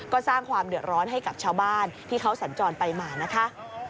ก็สร้างความเดือดร้อนให้กับชาวบ้านที่เขาสัญจรไปมานะคะ